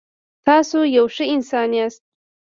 تاسو یو ښه انسان یاست.